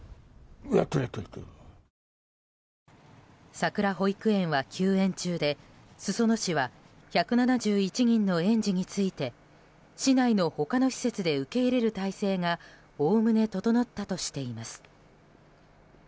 さくら保育園は休園中で裾野市は１７１人の園児について市内の他の施設で受け入れる態勢がおおむね整ったとしています。